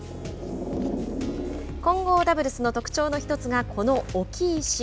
混合ダブルスの特徴の１つがこの置石。